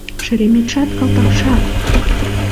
Шереметшат-калтакшат!